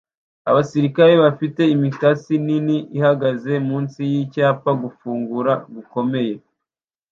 Abasirikare bafite imikasi nini ihagaze munsi yicyapa 'Gufungura gukomeye'